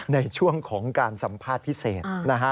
ในช่วงของการสัมภาษณ์พิเศษนะฮะ